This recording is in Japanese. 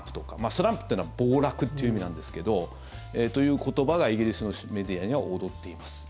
スランプというのは暴落という意味なんですけどという言葉がイギリスのメディアには踊っています。